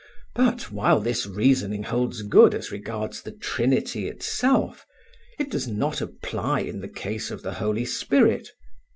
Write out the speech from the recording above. But while this reasoning holds good as regards the Trinity itself, it does not apply in the case of the Holy Spirit.